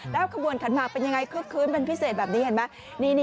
แล้วขบวนขันหมากเป็นยังไงคึกคืนเป็นพิเศษแบบนี้เห็นไหม